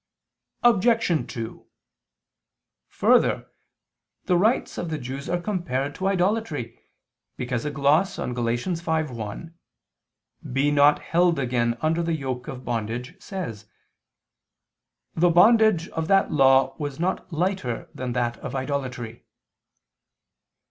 Obj. 2: Further, the rites of the Jews are compared to idolatry, because a gloss on Gal. 5:1, "Be not held again under the yoke of bondage," says: "The bondage of that law was not lighter than that of idolatry."